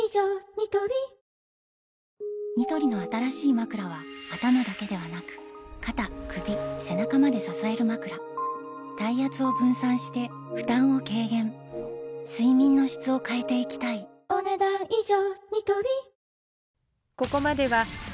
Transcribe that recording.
ニトリニトリの新しいまくらは頭だけではなく肩・首・背中まで支えるまくら体圧を分散して負担を軽減睡眠の質を変えていきたいお、ねだん以上。